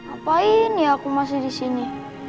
apa ini aku masih di sini